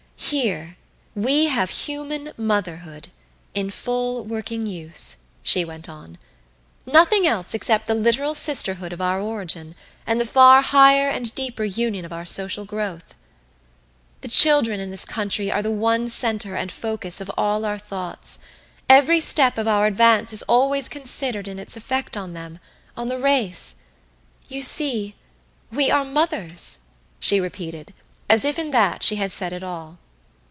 "Here we have Human Motherhood in full working use," she went on. "Nothing else except the literal sisterhood of our origin, and the far higher and deeper union of our social growth. "The children in this country are the one center and focus of all our thoughts. Every step of our advance is always considered in its effect on them on the race. You see, we are Mothers," she repeated, as if in that she had said it all.